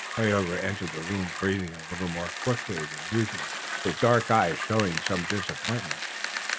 Tayoga entered the room, breathing a little more quickly than usual, his dark eyes showing some disappointment.